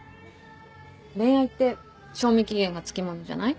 恋愛って賞味期限が付きものじゃない？